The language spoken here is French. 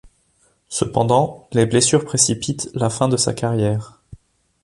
Cependant, les blessures précipitent la fin de sa carrière.